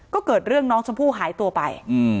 ก็เกิดเรื่องน้องชมพู่หายตัวไป